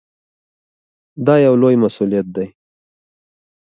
دا یو لوی مسؤلیت دی.